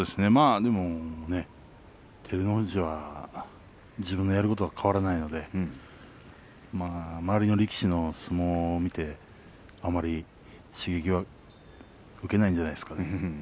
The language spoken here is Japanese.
照ノ富士は自分のやることは変わらないので周りの力士の相撲を見てあまり刺激は受けないんじゃないですか。